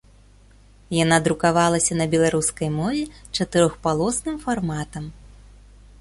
Яна друкавалася на беларускай мове чатырохпалосным фарматам.